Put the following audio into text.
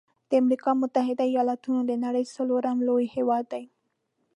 د امريکا متحده ایلاتونو د نړۍ څلورم لوی هیواد دی.